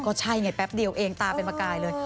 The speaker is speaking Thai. ก็ใช่ไงแป๊บเดียวเองตาเป็นประกายเลย